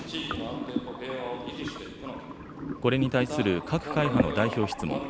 これに対する各会派の代表質問。